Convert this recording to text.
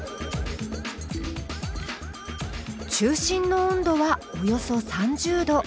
中心の温度はおよそ３０℃。